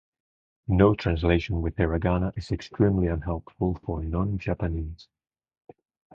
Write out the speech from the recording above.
No translation with Hiragana is extremely unhelpful for non-Japanese.